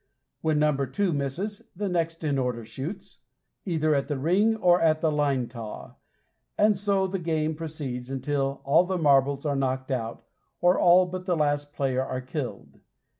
When number two misses, the next in order shoots, either at the ring or at the line taw, and so the game proceeds till all the marbles are knocked out, or all but the last player are killed.